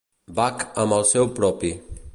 Bach amb el seu propi.